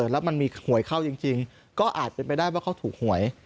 แล้วมันมีหวยเข้าจริงก็อาจเป็นไปได้ว่าเขาถูกหวย